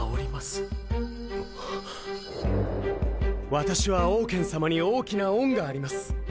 私はオウケン様に大きな恩があります。